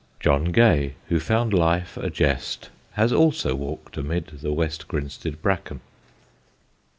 John Gay, who found life a jest, has also walked amid the West Grinstead bracken.